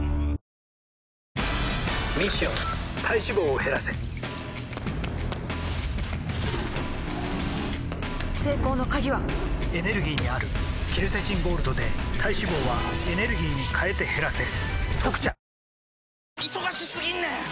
ミッション体脂肪を減らせ成功の鍵はエネルギーにあるケルセチンゴールドで体脂肪はエネルギーに変えて減らせ「特茶」